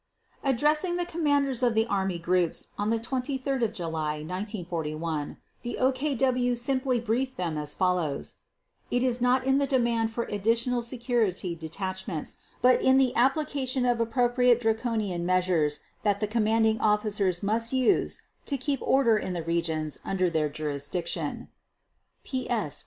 Addressing the commanders of the army groups on 23 July 1941, the OKW simply briefed them as follows: "It is not in the demand for additional security detachments, but in the application of appropriate draconic measures that the commanding officers must use to keep order in the regions under their jurisdiction" (PS 459).